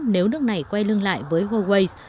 nếu nước này quay lưng lại với huawei